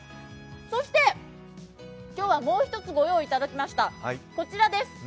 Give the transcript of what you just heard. そして今日はもう一つご用意いただきました。